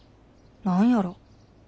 何やろ。